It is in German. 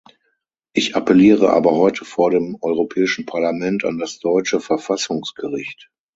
Ich appelliere aber heute vor dem Europäischen Parlament an das deutsche Verfassungsgericht.